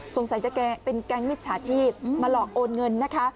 แกเป็นแก๊งมิจฉาชีพมาหลอกโอนเงินนะคะ